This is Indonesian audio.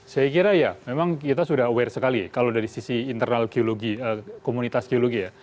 saya kira ya memang kita sudah aware sekali kalau dari sisi internal geologi komunitas geologi ya